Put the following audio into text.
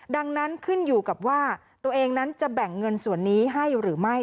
ดังนั้นขึ้นอยู่กับว่าตัวเองนั้นจะแบ่งเงินส่วนนี้ให้หรือไม่